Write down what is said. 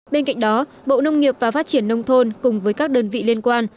bên cạnh đó bộ nông nghiệp và phát triển nông thôn cùng với các đơn vị liên quan